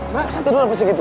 mbak satu doang apa segitu